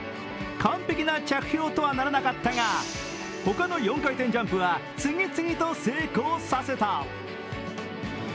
完璧な着氷とはならなかったが他の４回転ジャンプは次々と成功させた。